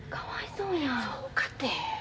そうかて。